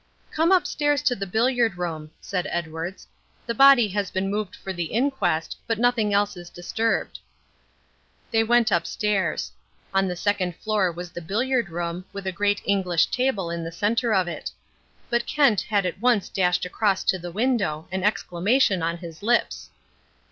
"Come upstairs to the billiard room," said Edwards. "The body has been removed for the inquest, but nothing else is disturbed." They went upstairs. On the second floor was the billiard room, with a great English table in the centre of it. But Kent had at once dashed across to the window, an exclamation on his lips.